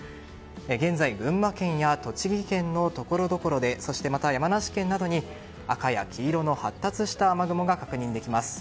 現在、群馬県や栃木県のところどころでそして、山梨県などに赤や黄色の発達した雨雲が確認できます。